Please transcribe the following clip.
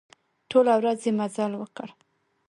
ټوله ورځ يې مزل وکړ.